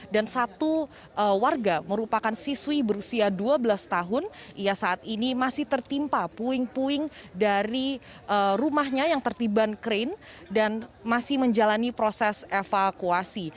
dan satu warga merupakan siswi berusia dua belas tahun ya saat ini masih tertimpa puing puing dari rumahnya yang tertiban krain dan masih menjalani proses evakuasi